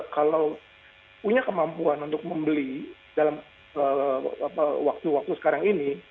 kalau punya kemampuan untuk membeli dalam waktu waktu sekarang ini